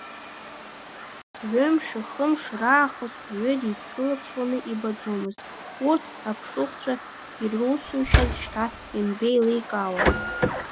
Ҩы-мшы, хы-мшы раахыс, уаҩы дизкылԥшуаны ибаӡомызт, урҭ аԥшыхәцәа ирусушьаз шьҭа ианбеиликаауаз.